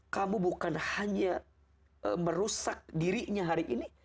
kamu bukan hanya merusak dirinya hari ini